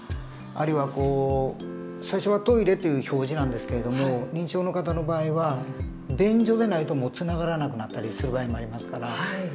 あるいは最初は「トイレ」という表示なんですけれども認知症の方の場合は「便所」でないともうつながらなくなったりする場合もありますから。